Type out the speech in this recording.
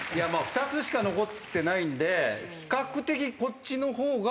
２つしか残ってないんで比較的。